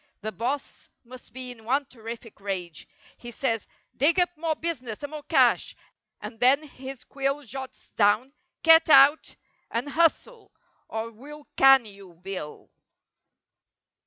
The boss must be in one terrific rage. He says—"Dig up more business and more cash!" And then his quill Jots down—"Get out and hustle or "We'll 'can' you. Bill!"